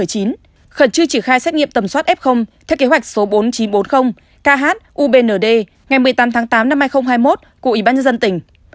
khẩn trư chỉ khai xét nghiệm tầm soát f theo kế hoạch số bốn nghìn chín trăm bốn mươi kh ubnd ngày một mươi tám tháng tám năm hai nghìn hai mươi một của ubnd tỉnh